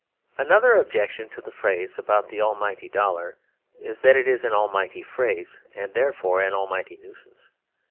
Another objection to the phrase about the almighty dollar is that it is an almighty phrase, and therefore an almighty nuisance.